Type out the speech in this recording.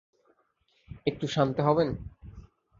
একটু শান্ত হবেন?